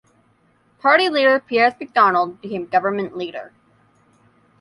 Party leader Piers McDonald became Government Leader.